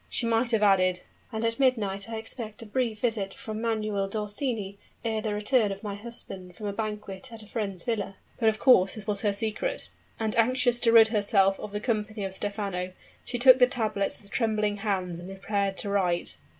She might have added "And at midnight I expect a brief visit from Manuel d'Orsini, ere the return of my husband from a banquet at a friend's villa." But of course this was her secret; and anxious to rid herself of the company of Stephano, she took the tablets with trembling hands and prepared to write.